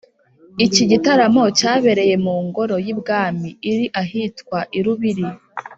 Iki gitaramo cyabereye mu ngoro y’i Bwami iri ahitwa i Lubiri